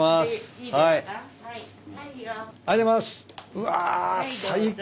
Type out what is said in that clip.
うわ最高。